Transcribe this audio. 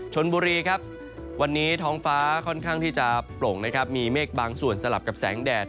ชนบุรีครับวันนี้ท้องฟ้าค่อนข้างที่จะโปร่งนะครับมีเมฆบางส่วนสลับกับแสงแดด